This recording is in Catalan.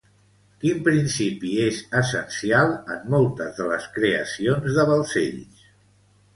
Quin principi és essencial en moltes de les creacions de Balcells?